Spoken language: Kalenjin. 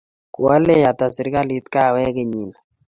Koalee ata serikalit kahawek kennynni